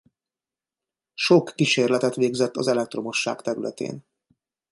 Sok kísérletet végzett az elektromosság területén.